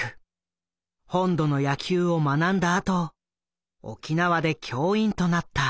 本土の野球を学んだあと沖縄で教員となった。